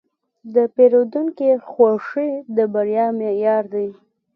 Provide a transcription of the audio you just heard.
د پیرودونکي خوښي د بریا معیار دی.